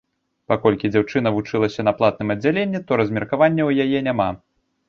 Паколькі дзяўчына вучылася на платным аддзяленні, то размеркавання ў яе няма.